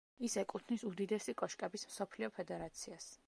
ის ეკუთვნის უდიდესი კოშკების მსოფლიო ფედერაციას.